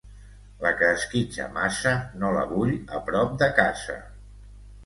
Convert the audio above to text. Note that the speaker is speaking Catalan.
La que esquitxa massa no la vull a prop de casa.